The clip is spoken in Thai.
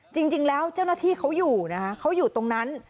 จริงแล้วเจ้าหน้าที่เขาอยู่นะคะเขาอยู่ตรงนั้น